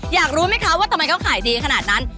อยากรู้ไหมคะว่าทำไมเขาขายดีขนาดนั้น